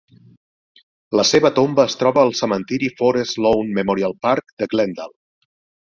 La seva tomba es troba al cementiri Forest Lawn Memorial Park de Glendale.